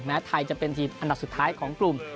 แม้ไทยจะเป็นทีมอันดับสุดท้ายของกลุ่ม